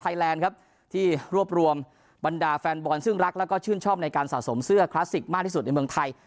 แลนด์ครับที่รวบรวมบรรดาแฟนบอลซึ่งรักแล้วก็ชื่นชอบในการสะสมเสื้อคลาสสิกมากที่สุดในเมืองไทย